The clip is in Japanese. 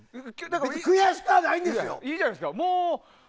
別に悔しくはないんですよ！